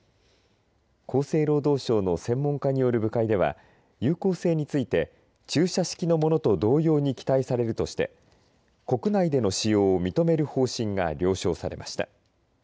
厚生労働省の専門家による部会では有効性について注射式のものと同様に期待されるとして国内での使用を認める方針が了承されました。